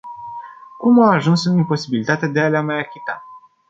Acum a ajuns în imposibilitatea de a le mai achita.